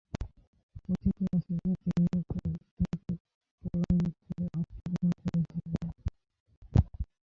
কথিত আছে যে, তিনি তাদের থেকে পলায়ন করে আত্মগোপন করেছিলেন।